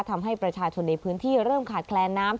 ทำให้ประชาชนในพื้นที่เริ่มขาดแคลนน้ำ